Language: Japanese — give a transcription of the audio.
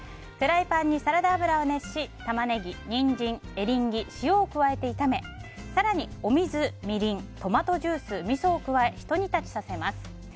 フライパンにサラダ油を熱しタマネギ、ニンジン、エリンギ塩を加えて炒め更にお水、みりんトマトジュース、みそを加えひと煮立ちさせます。